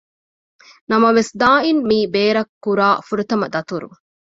ނަމަވެސް ދާއިން މީ ބޭރަށް ކުރާ ފުރަތަމަ ދަތުރު